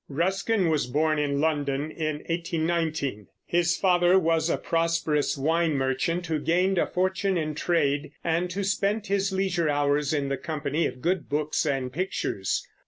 Ruskin was born in London, in 1819. His father was a prosperous wine merchant who gained a fortune in trade, and who spent his leisure hours in the company of good books and pictures.